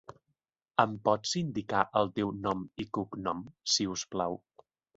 Em pots indicar el teu nom i cognom, si us plau?